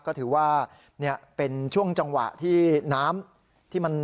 ก็ถือว่าเป็นช่วงจังหวะที่น้ำที่มัน